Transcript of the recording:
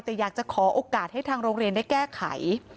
แต่อยากจะขอโอกาสให้ทางโรงเรียนได้แก้ไข